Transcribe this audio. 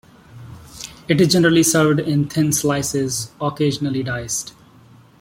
It is generally served in thin slices, occasionally diced.